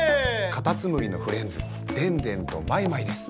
かたつむりのフレンズでんでんとマイマイです。